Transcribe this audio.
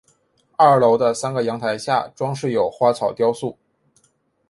二楼的三个阳台下装饰有花草雕塑。